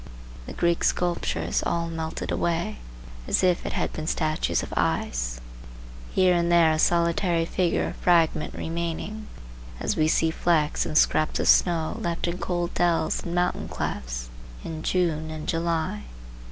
The Greek sculpture is all melted away, as if it had been statues of ice; here and there a solitary figure or fragment remaining, as we see flecks and scraps of snow left in cold dells and mountain clefts in June and July.